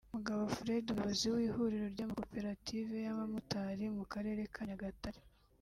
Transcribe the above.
Mugabo Fred umuyobozi w’ihuriro ry’amakoperative y’abamotari mu Karere ka Nyagatare